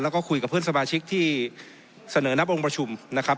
แล้วก็คุยกับเพื่อนสมาชิกที่เสนอนับองค์ประชุมนะครับ